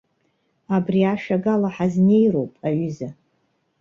Абри ашәагала ҳазнеироуп, аҩыза.